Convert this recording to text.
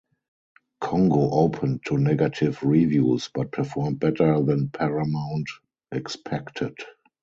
"Congo" opened to negative reviews but performed better than Paramount expected.